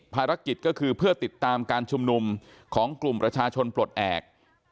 ภารกิจก็คือเพื่อติดตามการชุมนุมของกลุ่มประชาชนปลดแอบ